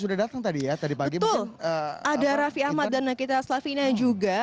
ada raffi ahmad dan nakita slavina juga